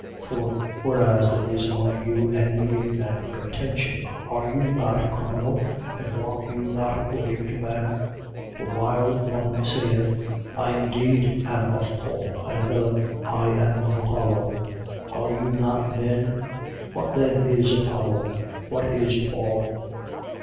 3:3. For, whereas there is among you envying and contention, are you not carnal and walk you not according to man? 3:4. For while one saith: I indeed am of Paul: and another: I am of Apollo: are you not men? What then is Apollo and what is Paul?